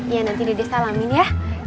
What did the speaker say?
iya nanti dede salamin ya